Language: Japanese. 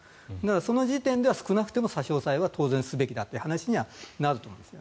その時点では少なくとも差し押さえは当然すべきだという話にはなると思います。